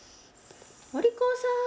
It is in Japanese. お利口さん。